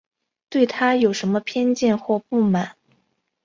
对她有什么偏见或不满